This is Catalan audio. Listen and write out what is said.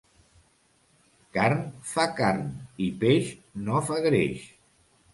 Carn fa carn i peix no fa greix.